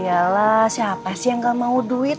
ialah siapa sih yang gak mau duit